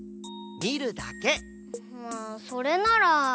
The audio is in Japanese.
まあそれなら。